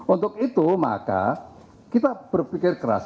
untuk itu maka kita berpikir keras